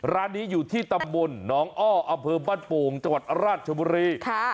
ร้านนี้อยู่ที่ตำบลนองอ้อ๕๐๐ปจังหวัดราชบุรี